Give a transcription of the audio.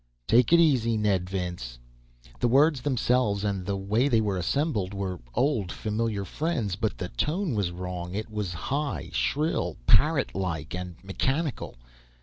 "Take it easy, Ned Vince...." The words themselves, and the way they were assembled, were old, familiar friends. But the tone was wrong. It was high, shrill, parrot like, and mechanical.